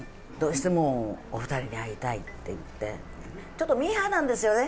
ちょっとミーハーなんですよね。